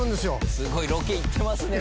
すごいロケ行ってますね。